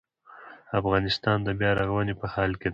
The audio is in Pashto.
افغانستان د بیا رغونې په حال کې دی